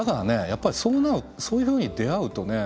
やっぱりそういうふうに出会うとね